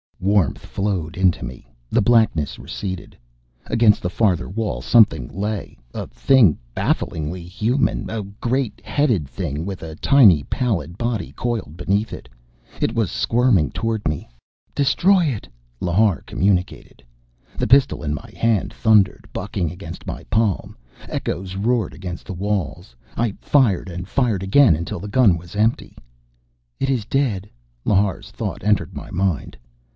Warmth flowed into me. The blackness receded.... Against the farther wall something lay, a thing bafflingly human.... a great headed thing with a tiny pallid body coiled beneath it. It was squirming toward me.... "Destroy it!" Lhar communicated. The pistol in my hand thundered, bucking against my palm. Echoes roared against the walls. I fired and fired again until the gun was empty.... "It is dead," Lhar's thought entered my mind.